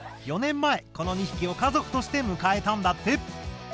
４年前この２匹を家族として迎えたんだって。